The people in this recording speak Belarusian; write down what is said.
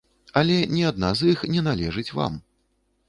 Але ні адна з іх не належыць вам.